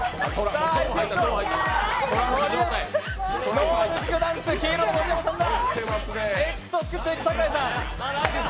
ノールックダンス、黄色の盛山サンダ。